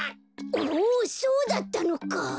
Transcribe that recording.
おそうだったのか！